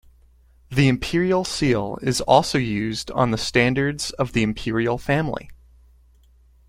The Imperial Seal is also used on the standards of the Imperial Family.